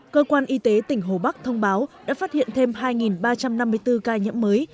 cơ quan y tế tỉnh hồ bắc thông báo đã phát hiện thêm hai ba trăm năm mươi bốn ca nhiễm mới